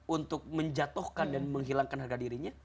untuk menjatuhkan dan menghilangkan harga dirinya